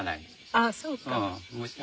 ああそうか。